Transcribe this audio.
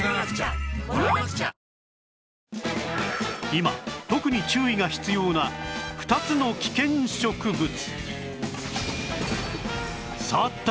今特に注意が必要な２つの危険植物